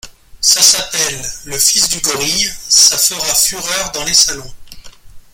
Ça s'appelle le Fils du gorille … ça fera fureur dans les salons.